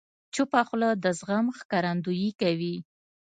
چپه خوله، د زغم ښکارندویي کوي.